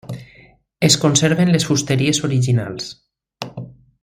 Es conserven les fusteries originals.